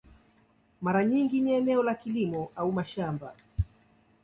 Mara nyingi ni eneo la kilimo au mashamba.